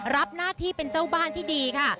รับหน้าที่เป็นเจ้าบ้านที่ดีค่ะ